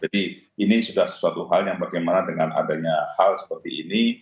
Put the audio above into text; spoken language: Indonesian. jadi ini sudah sesuatu hal yang bagaimana dengan adanya hal seperti ini